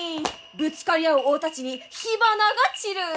ぶつかり合う大太刀に火花が散る！